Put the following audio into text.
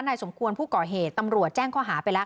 สมควรผู้ก่อเหตุตำรวจแจ้งข้อหาไปแล้ว